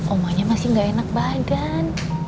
omanya masih gak enak badan